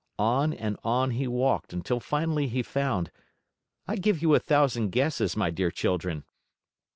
On and on he walked till finally he found I give you a thousand guesses, my dear children!